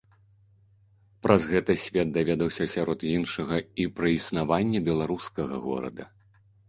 Праз гэта свет даведаўся сярод іншага і пра існаванне беларускага горада.